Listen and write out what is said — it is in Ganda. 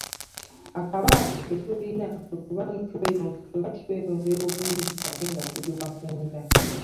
Akabaate ke tulina kwe kuba nti tweyongera obungi ate nga tuli wafunda